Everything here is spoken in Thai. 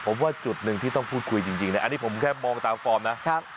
ผมว่าจุดหนึ่งที่ต้องพูดคุยจริงเนี่ยอันนี้ผมแค่มองตามฟอร์มนะ